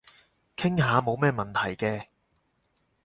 傾下冇咩問題嘅